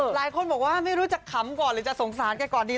หลายคนบอกว่าไม่รู้จะขำก่อนหรือจะสงสารแกก่อนดี